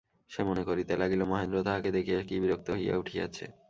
সে মনে করিতে লাগিল, মহেন্দ্র তাহাকে দেখিয়া কি বিরক্ত হইয়া উঠিয়াছে!